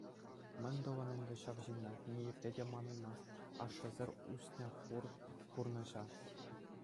Мӗн тӑвӑн ӗнтӗ ҫав ҫынна: ниепле те манаймасть ашшӗсӗр ӱснӗ хур пурнӑҫа.